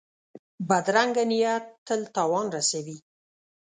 بدرنګه نیت تل تاوان رسوي